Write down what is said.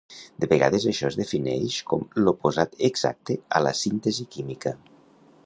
De vegades això es defineix com l'oposat exacte a la síntesi química.